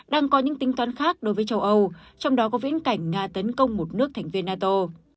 đang có những tính toán khác đối với châu âu trong đó có viễn cảnh nga tấn công một nước thành viên nato